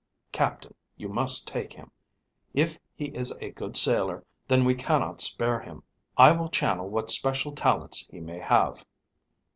Captain, you must take him. If he is a good sailor, then we cannot spare him. I will channel what special talents he may have.